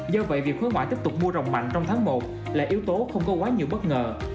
do vậy việc khối ngoại tiếp tục mua rồng mạnh trong tháng một là yếu tố không có quá nhiều bất ngờ